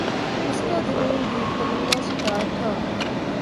کس کا جنون دید تمنا شکار تھا